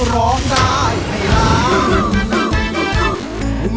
ร้องได้ให้ร้อง